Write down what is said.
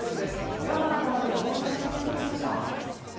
ガマはガマでもこんな写真が届きました。